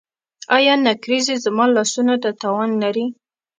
ایا نکریزې زما لاسونو ته تاوان لري؟